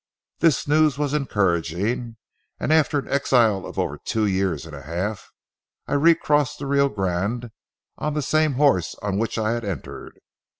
This news was encouraging, and after an exile of over two years and a half, I recrossed the Rio Grande on the same horse on which I had entered.